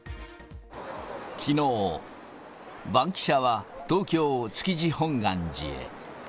きのう、バンキシャは東京・築地本願寺へ。